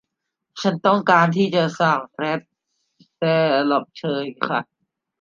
ฉันต้องการที่จะสั่งเพรทเซลอบเชยค่ะ